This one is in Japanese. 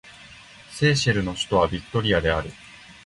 セーシェルの首都はビクトリアである